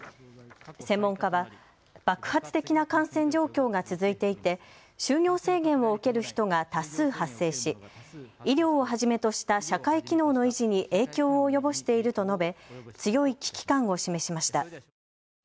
専門家は爆発的な感染状況が続いていて就業制限を受ける人が多数発生し医療をはじめとした社会機能の維持に影響を及ぼしていると述べ強い危機感を示しました。